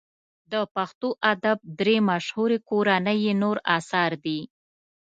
د پښتو ادب درې مشهوري کورنۍ یې نور اثار دي.